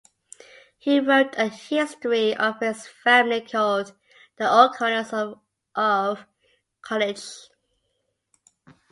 He wrote a history of his family called "The O'Conors of Connacht".